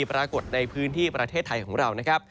ปรากฏในพื้นที่ประเทศไทยของเรานะครับ